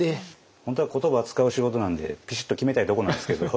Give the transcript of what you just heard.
本当は言葉使う仕事なんでピシッと決めたいとこなんですけど。